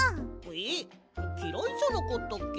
えっきらいじゃなかったっけ？